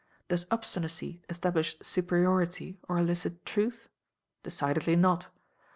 Does obstinacy establish superiority or elicit truth? Decidedly not!